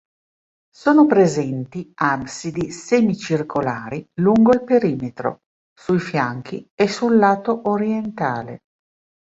Sono presenti absidi semicircolari lungo il perimetro: sui fianchi e sul lato orientale.